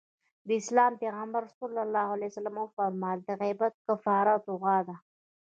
د اسلام پيغمبر ص وفرمايل د غيبت کفاره دعا ده.